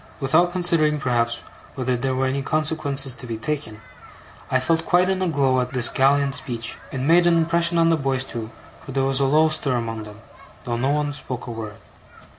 Without considering, perhaps, whether there were any consequences to be taken, I felt quite in a glow at this gallant speech. It made an impression on the boys too, for there was a low stir among them, though no one spoke a word.